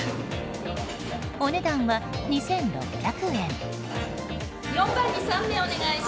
お値段は２６００円。